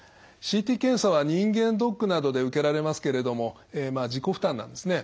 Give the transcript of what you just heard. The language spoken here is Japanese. ＣＴ検査は人間ドックなどで受けられますけれども自己負担なんですね。